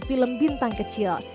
film bintang kecil